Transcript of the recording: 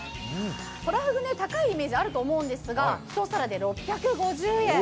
トラフグ、高いイメージがあると思うんですが１皿で６５０円。